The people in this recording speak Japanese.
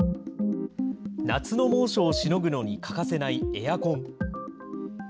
夏の猛暑をしのぐのに欠かせないエアコン。